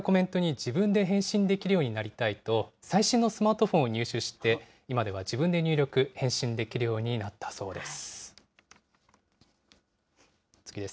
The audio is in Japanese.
マサ江さんですけれども、動画に寄せられたコメントに自分で返信できるようになりたいと、最新のスマートフォンを購入し、今では自分で入力、返信できるようになったそうです。